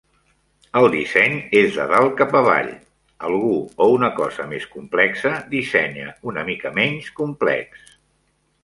El disseny és de dalt cap avall, algú o una cosa més complexa dissenya una mica menys complex.